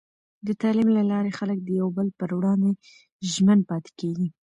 د تعلیم له لارې، خلک د یو بل پر وړاندې ژمن پاتې کېږي.